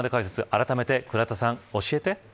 あらためて倉田さん教えて。